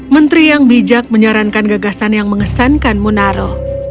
menteri yang bijak menyarankan gagasan yang mengesankan munaro